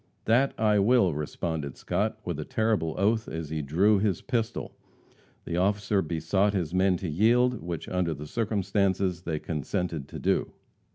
"That I will!" responded Scott, with a terrible oath as he drew his pistol. The officer besought his men to yield, which under the circumstances they consented to do.